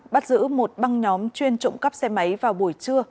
bắt giữ một băng nhóm chuyên trộm cắp xe máy vào buổi trưa